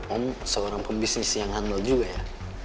om seorang pembisnis yang ngandul juga ya